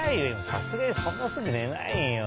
さすがにそんなすぐねないよ。